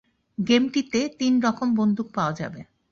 গেমটিতে তিন রকম বন্দুক পাওয়া় যাবে।